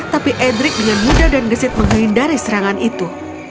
tapi edric dengan mudah dan gesit menghindari serangan itu